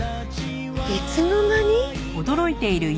いつの間に？